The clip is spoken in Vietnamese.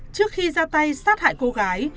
trước khi ra tay sát hại cô gái